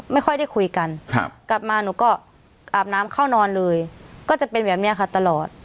ไม่ค่อยได้คุยกันกลับมาหนูก็อาบน้ำเข้านอนเลยก็จะเป็นแบบนี้ค่ะตลอด